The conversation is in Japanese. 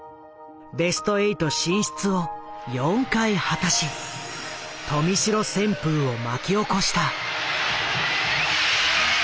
ベスト８進出を４回果たし豊見城旋風を巻き起こした。